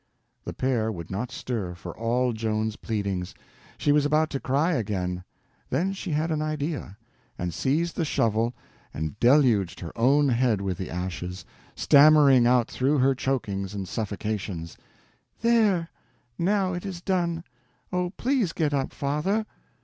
The Pere would not stir, for all Joan's pleadings. She was about to cry again; then she had an idea, and seized the shovel and deluged her own head with the ashes, stammering out through her chokings and suffocations: "There—now it is done. Oh, please get up, father."